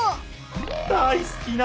大すきな